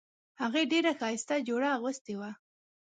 هغې ډیره ښایسته جوړه اغوستې وه